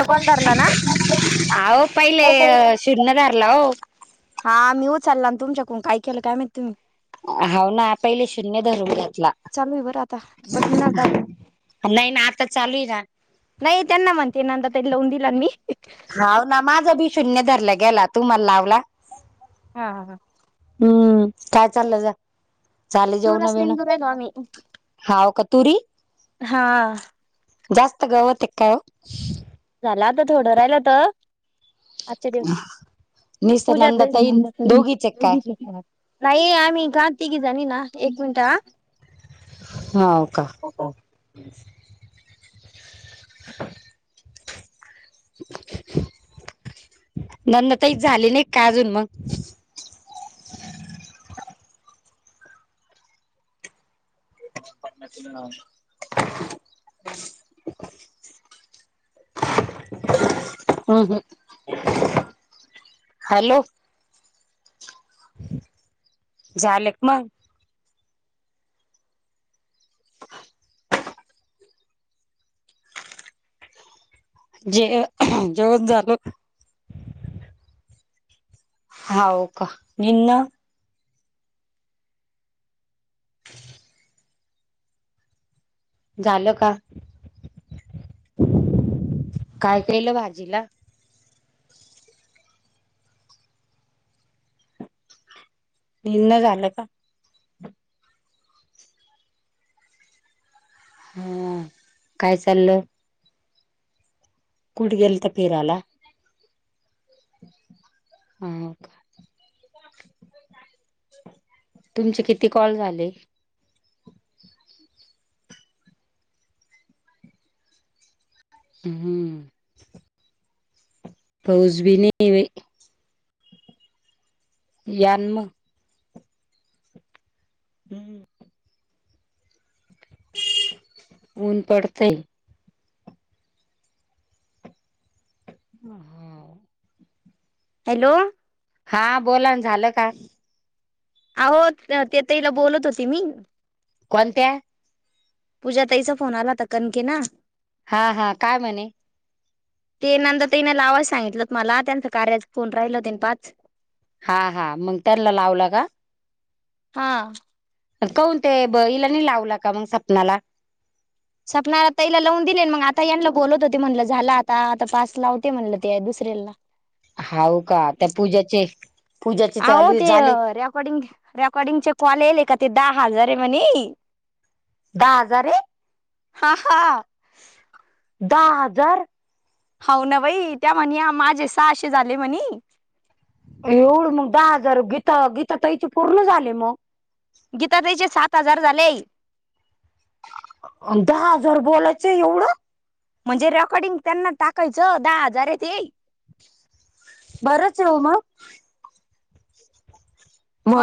ते पण धरला ना अहो पहिले [unintelligible] शून्य धरला हो. हा मी उच्चाला अनं तुमच्याकून काय केलं काय माहित तुम्ही हाव ना पहिले शून्य धरून घेतला. चालू आहे बरं आता बटन दाबून नाय ना आताच चालूये ना नाही त्यांना म्हणते नंदा ताईला लवून दिला न मी हाव ना माझा बी शून्य धरला गेला तुम्हाला लावला. हा हा हा हम्म काय चाललं जा झाली दूरच जेवणं बिवणं निंदू राहिलो आम्ही हाव का तुरी हां जास्त गवतं ये का काय ओ झालं आता थोडं राहिलं होत. आजच्या दिवस निसत पूजा ताईचा नंदाताईन नंबर [unintelligible] दोघीच आहे काय एवढीच ये घरात [unintelligible] नाही आम्ही घात तिघी जणी ना एक मिनट हा हाव का नंदा ताईच झाले नय का अजून म [unintelligible] अहं हॅलो झाले क मंग जे अ जेवण झालं. हाव का निन्न झालं का काय केलं भाजीला निन झालं का? हा काय चाललं कुड गेलता फिराला? हाव का तुमचे किती कॉल झाले? हम्म पाऊस बी नये बई यांन म हम्म ऊन पडतंय. अ हाव हॅलो हा बोला ना, झालं का? अहो, ते त्या ताईला बोलत होते मी. कोणत्या? पूजा ताईचा फोन आला होता कनके ना हा, हा, काय म्हणे? ते नंतर तीने लावायच सांगितलं मला, त्यानंतर कार्याच फोन राहिल हो तन पाच. हा हा मग त्यानला लावला का? हा. का हून ते हिला नाही लावला का मग सपनाला? सपनाला तईला लावून दिले, मग आता यांना बोलत होते म्हटलं झाला आता, आता पास लावते म्हणलं ते दुसऱ्याला. हाव का? त्या पूजाचे पूजाचे अहो चालू ते झाले रेकॉर्डिंग- रेकॉर्डिंगचे कॉल येल का ते दहा हजारे म्हणे. दहा हजारे? हा, हा, दहा हजार? हाव ना बाई, त्या म्हने माझे सहाशे झाले म्हणे. एवढ मग दहा हजार गीतं -गीता ताई चे पूर्ण झाली मग. गीता ताईचे सात हजार झालेय. दहा हजार बोलायचं एवढं? म्हणजे रेकॉर्डिंग त्यांना टाकायचं दहा हजारिची? बरंच ओ मग.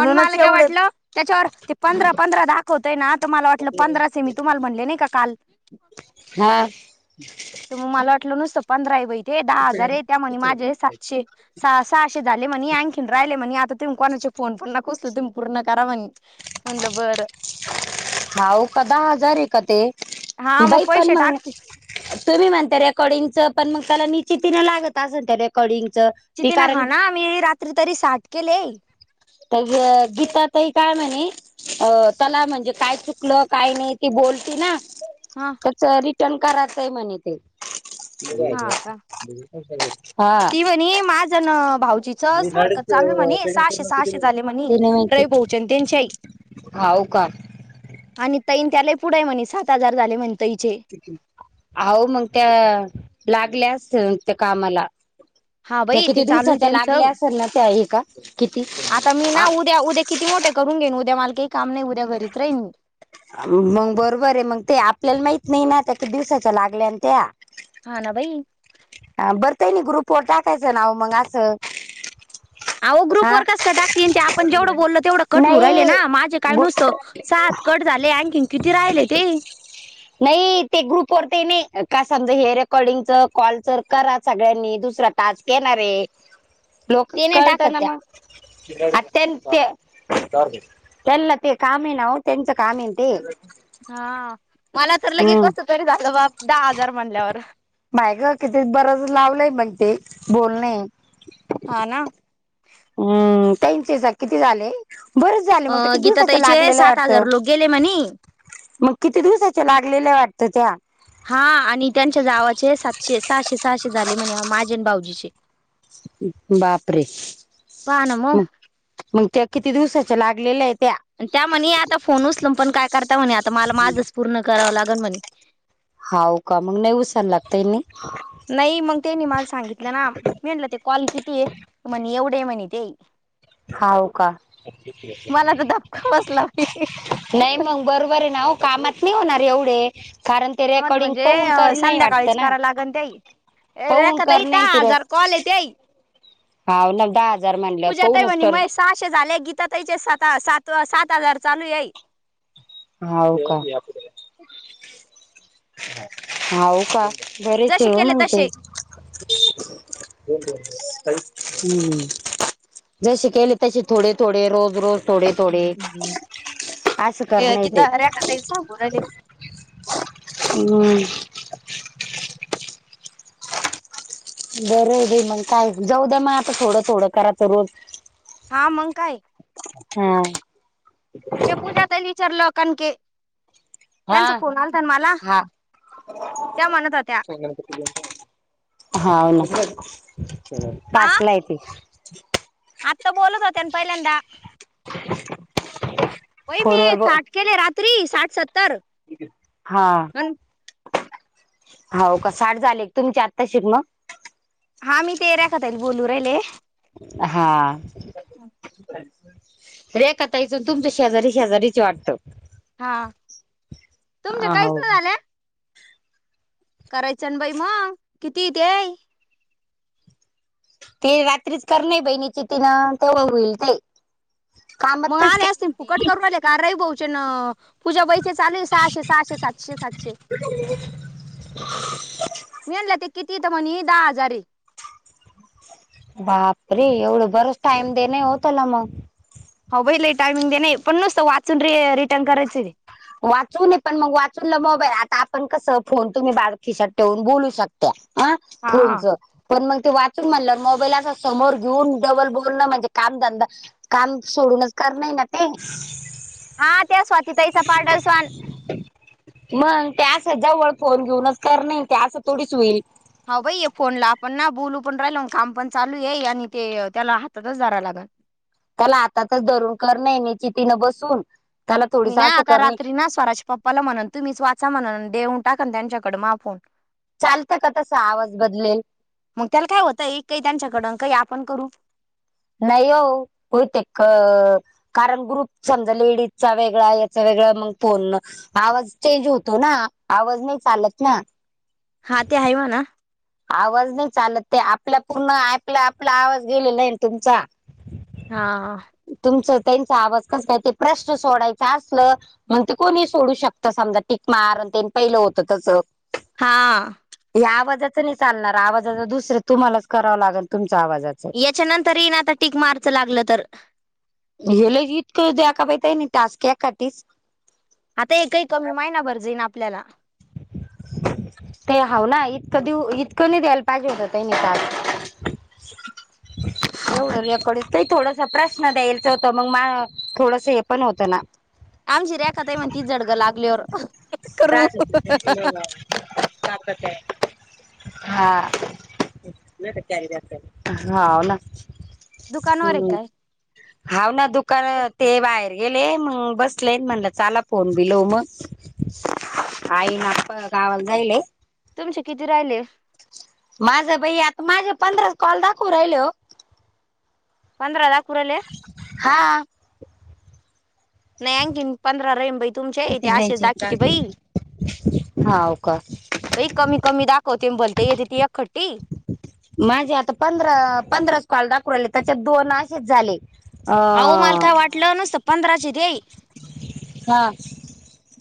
अन् मला काय एवढे वाटल. त्याच्यावर ते पंधरा- पंधरा दाखवतय ना, त मला वाटलं पंधराचे मी तुम्हाला म्हणले नाही का काल? हा. तर मग मला वाटलं नुसतं पंधरा आहे बै ते दहा हजार आहे. त्या म्हने माझे हे सातशे सहा- सहाशे झाले म्हणे, आणखी राहिले म्हणे आता तुम्ही कोणाचे फोन पण नका उचलू, तुम्ही पूर्ण करा म्हणे, म्हटलं बर. हाऊ का दहा हजार आहे का तें,? हा मग बाई पण पैसे मंग टाकते तुम्ही म्हणता रेकॉर्डिंग च पण मग त्याला निश्ितीने लागत असल त्या रेकॉर्डिंगचं. ती निश्चिती ने कारण हा ना, मी रात्री तरी साठ केले. तर गीता ताई काय म्हणे अ त्याला म्हणजे, काय चुकलं काय नाही ती बोलती ना. हा. रिटर्न कराच म्हणे ते. हा का हा ती म्हणी माझ न भाऊजी चल सारखं चालू म्हणे सहाशे, सहाशे, झाले म्हणे रविभाऊ चे आणि त्यांच्याही. हो का? आणि तईन त्या लय पुढे म्हणे, सात हजार झाले म्हणे तईचे. आहो मग त्या लागल्या असतील त्या कामाला. हा त्या बाई किती ते चालू आहे दिवसाच्या लागल्या त्यांचं असल ना त्या एका? किती? आता मी ना उद्या उद्या किती मोठे करून घेईन, उद्या माल काही काम नाही उद्या घरीच राहिन मी. मग बरोबर आहे. मग ते आपल्याला माहित नाही ना त्या किती दिवसाच्या लागल्यात त्या? हा ना बाई. हा बर त्याणी ग्रुपवर टाकायचं नाव मंग असं हा ग्रुप वर कस काय टाकतील, ते आपण जेवढं बोललो तेवढं कट होऊ राहिले नाही ना, माझे काय गु नुसतं सात कट झाले, आणखीन किती राहिले ते? नाही ते ग्रुपवर ते न्ये, का समजा हे रेकॉर्डिंगच कॉलच करा सगळ्यांनी दुसरा टास्क येणार हे, लोक ते नाही कळत टाकत ना त्या मग. अटत्य. तेनला ते कामं हे ना वो तेचं काम आहे ना ते. हा, मला तर लगे हम्म कस तरी झालं बा, दहा हजार म्हणल्यावर. माय ग, किती बरच लावलंय मग ते बोलणे. हा ना. हम्म, त्यांचे किती झालेय, बरच ते अ मग किती गीता दिवसाच्या ताईचे लागलेलं हाय सात वाटतं. हजार लोक गेले म्हणे मग किती दिवसाच्या लागलेल्या वाटत त्या. हा, आणि त्यांच्या जावाचे सातशे, सहाशे- सहाशे झाले माझे म्हणे आणि भाऊजीचे. बापरे, पहा ना मग हम्म. मग त्या किती दिवसाच्या लागलेल्या हेय त्या? त्या म्हणे आता फोन उचल पण काय करता म्हणे, आता मला माझच पूर्ण करावं लागल म्हणे. हाऊ का? मग नही उसायला लागतय नी. नाही मग तेनी मला सांगितलं ना, मी म्हटलं ते कॉल किती हेय? म्हणी एवढं म्हणीते. हाव का. मला तर धपका बसला बाई नाही मंग बरोबर आहे ना वो, कामात नाही होणार एवढे कारण ते कामात रेकॉर्डिंग म्हणजे, पाहून करणय संध्याकाळीच वाटतं ना कराय लागन त्याई. ए, पाहून रेखाताई करणे दहा ति हजार कॉले ते. हाव ना, दहा हजार म्हणल्यावर पूजा ताई पहूनच म्हणे कर. मै सहाशे झाले. गीताताईचे सात, सात, सात हजार चालू ये. हाऊ का? हाऊ का? बरेच जसे हो केले मंग ते. तसे [unintelligible] जसे केले तसे थोडे -थोडे, रोज- रोज थोडे- थोडे असं कर ए, नई ते. गीता रेखा ताई सांगू राहिले हम् बरं राहूदे मंग काय, जाऊ द्या म आता थोडं- थोडं करा तर रोज. हा मंग काय? हा. म्या पूजाताईला विचारल, कणके. हा, त्यांचा फोन आलता ना मला हा. त्या म्हणत होत्या हाव ना, आ पाचला येते. आत्ता बोलत होत्यान, पहिल्यांदा [unintelligible] व्हय मी ब साठ केेले रात्री, साठ- सत्तर. हा, अन हाव का? साठ झाले. तुमच्या आत्ताचेत ना? हा मी तेऱ्या खात्या बोलू राहिले. हा. रेखाताईच अन तुमच शेजारी -शेजारीच वाटतं. हा, तुमच काहीच हाव नाही झालं? करायचंन बाई मग, किती य ते? ते रात्रीच कर नाही बहिणीचं तिनं, तेवढं होईल ते. कामात म कस आणि काय असतील होईल फुकट ते. करून आलेत. रई भाऊचे अन, पूजा बाईचेच आले सहाशे सहाशे, सातशे सातशे. मी म्हणल ते किती आहे, तर म्हणे दहा हजार आहे. बापरे एवढ बरच टाइम देणे हो त्याला मग. हाव बई लयी टायमिंग देन आहे. पण नुसत वाचून र रिटर्न करायचय ते. वाचून पण मग वाचूनला मोबाईल, आता आपण कस फोन तुम्ही बार खिसात ठेवून बोलू शकता. ह हा फोनच पण मग ते वाचून म्हणल्यावर मोबाईल अस समोर घेऊन डबल बोलण म्हणजे कामधंदा काम सोडूनच करन आहे ना ते. हा त्या स्वाती ताईचा पाडोसन मग ते आस जवळ फोन घेऊनच करन आहे ना ते. आस थोडीच होईल. हा बई ये फोनला आपण ना बोलू पण राहिल काम पण चालू आहे. आणि ते त्याला हातातच धराव लागल. त्याला हाताचच धरून करन आहे निचितीन बसून. त्याला मी थोडीस ना असं आता करणे रात्री ना स्वराच्या पप्पाला म्हणन तुम्हीच वाचा म्हणन. देऊन टाकन त्यांच्याकड मझा फोन. चालत का तसा आवाज बदलेल? मग त्याला काय होत. एक काही त्यांच्याकड काही आपण करू. नाही हो बहुतेक कारण ग्रुप समजा लेडीजचा वेगळा. याच वेगळ. मग फोन आवाज चेंज होतो ना. आवाज नाही चालत ना. हा ते आहे म्हणा. आवाज नाही चालत ते. आपल्या पूर्ण ॲपला आपला आवाज दिलेला आहे ना तुमचा. हा तुमच त्यांचा आवाज कस काय? ते प्रश्न सोडायच आसल मग ते कोणी सोडू शकत समजा. टीक मार अन ते पहिल होत तस. हा हे आवाजाच नाही चालणार. आवाजाच दुसर तुम्हालाच कराव लागेल तुमच आवाजाच. याच्यानंतरही येईन आता टीक मारच लागल तर. हे लयीच इतक द्या की बाई त्यांनी टास्क एकाठीच. आता हे काही कमी महिनाभर जाईन आपल्याला. ते हाव ना इतक देऊ, इतक नाही द्यायला पाहिजे होत त्यांनी टास्क. [inaudible] हो रेकॉर्ड आहे. ताई थोडसा प्रश्न द्यायच होता. मग मा थोडस हे पण होत ना. आमची रेखा ताई म्हणती तीच झडग लागल्यावर करू. त्याच काय हा नाहीतर कॅरीबॅग दे. हाव ना दुकानावर आहे हम्म काय हाव ना दुकान ते बाहेर गेले. मग बसले, म्हणल चाला फोन भि लऊ मग. आई न आप्पा गावाल जायलये. तुमचे किती राहिले? माझ बई आता माझे पंधराच कॉल दाखवू राहिले हो. पंधरा दाखवु राहिले. हा नाही आणखिन पंधरा रहीन बाई तुमचे. तेे किती आशेच द्यायचे दाखविते बाई. हाव का बई कमी कमी दाखवते भलते येत्यात ती एकखट्टी. माझे आता पंधरा पंधराच कॉल दाखवु राहीले. त्याच्यात दोन असेच झाले. अ अहो माल काय वाटल नसत पंधराच आहेत हे. हा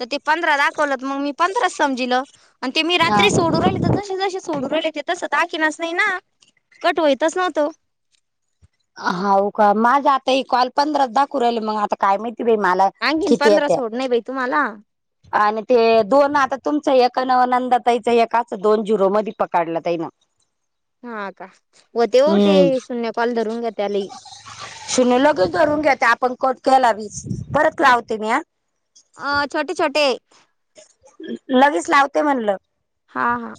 तर ते पंधरा दाखवलंत, मग मी पंधरा समजीलं आणि ते मी हा रात्री सोडून राहिली तर सोडू राहिलं ते तस दाखी नाच नाही ना, कट व्हयितच नव्हतो. हा होऊ का? माझ आता हे कॉल पंधरा दाखवु राहिले, मग आता काय माहिती बाई मला आनखीन किती पंधरा येत्या सोड नाही बा तुम्हाला. आणि ते दोन आता तुमच एक न नंदा ताईचं, एकाच दोन झीरो मधे पकडला ताईन- ह [inaudible] हा का? हो ते हो ते शून्य कॉल धरून घेतीया लई शुन्य लगेच धरून घेते, आपण कट केला वीस परत लावते मी हा. आ छोटे छोटे. लगेच लावते म्हणलं. हा हा.